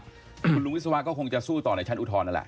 คุณลุงวิศวะก็คงจะสู้ต่อในชั้นอุทธรณนั่นแหละ